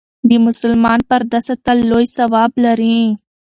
د مسلمان پرده ساتل لوی ثواب لري.